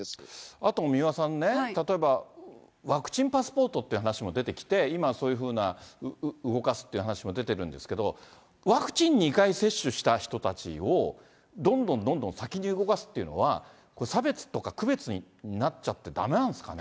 あと三輪さんね、例えば、ワクチンパスポートっていう話も出てきて、今、そういうふうな動かすって話も出てるんですけど、ワクチン２回接種した人たちを、どんどんどんどん先に動かすっていうのは、これ、差別とか区別になっちゃって、だめなんですかね？